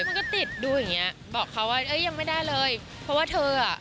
มันก็ติดดูอย่างเงี้ยบอกเขาว่าเอ้ยยังไม่ได้เลยเพราะว่าเธออ่ะ